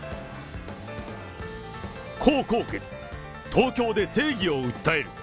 江宏傑、東京で正義を訴える！